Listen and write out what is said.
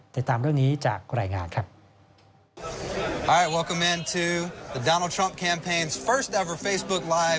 ติดตามเรื่องนี้จากรายงานครับ